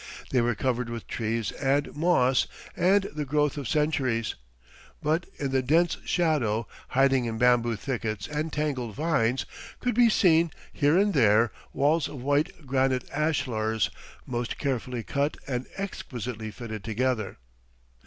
They were covered with trees and moss and the growth of centuries, but in the dense shadow, hiding in bamboo thickets and tangled vines, could be seen, here and there, walls of white granite ashlars most carefully cut and exquisitely fitted together.